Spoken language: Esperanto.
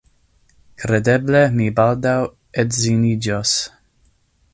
Kredeble mi baldaŭ edziniĝos.